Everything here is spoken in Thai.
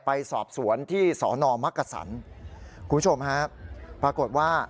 ไปสอบสวนที่สอนอมักกษันคุณผู้ชมฮะปรากฏว่า